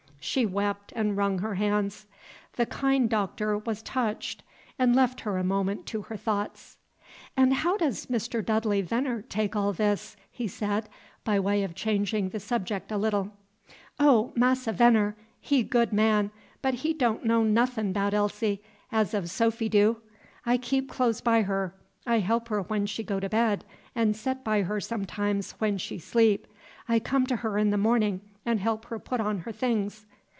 She wept and wrung her hands. The kind Doctor was touched, and left her a moment to her thoughts. "And how does Mr. Dudley Veneer take all this?" he said, by way of changing the subject a little. "Oh, Massa Veneer, he good man, but he don' know nothin' 'bout Elsie, as of Sophy do. I keep close by her; I help her when she go to bed, 'n' set by her sometime when she 'sleep; I come to her in th' mornin' 'n' help her put on her things."